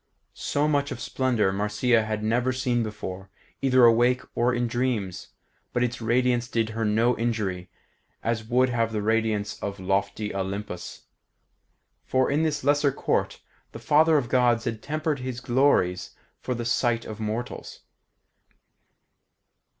So much of splendour Marcia had never seen before, either awake or in dreams, but its radiance did her no injury, as would have the radiance of lofty Olympus; for in this lesser court the Father of Gods had tempered his glories for the sight of mortals.